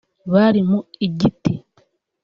Bari mu giti